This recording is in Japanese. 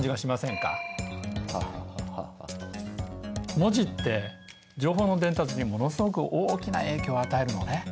文字って情報の伝達にものすごく大きな影響を与えるのね。